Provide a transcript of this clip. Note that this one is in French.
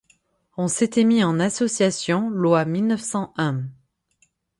On s’était mis en association loi mille neuf cent un.